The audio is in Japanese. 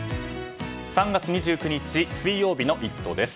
３月２９日水曜日の「イット！」です。